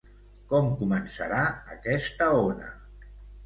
Com començarà aquesta ona?